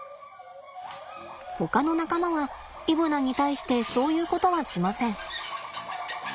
ほかの仲間はイブナに対してそういうことはしません。